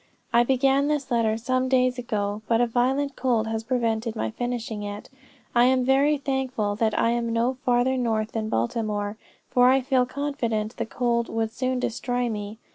"I began this letter some days ago, but a violent cold has prevented my finishing it. I am very thankful that I am no farther north than Baltimore, for I feel confident the cold would soon destroy me.